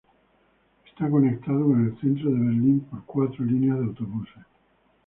Está conectado con el centro de Berlín por cuatro líneas de autobuses.